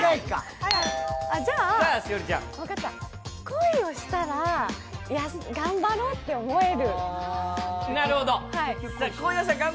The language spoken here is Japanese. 恋をしたら、頑張ろうって思える。